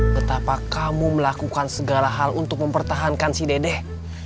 betapa kamu melakukan segala hal untuk mempertahankan si dedek